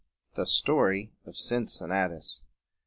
'" THE STORY OF CINCINNATUS.